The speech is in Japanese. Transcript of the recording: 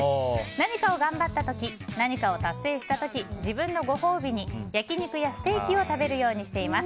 何かを頑張った時何かを達成した時自分のご褒美に焼き肉やステーキを食べるようにしています。